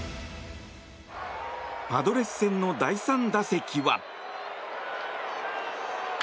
パドレス戦の第３打席は。